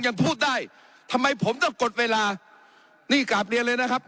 ยังพูดได้ทำไมผมต้องกดเวลานี่กราบเรียนเลยนะครับ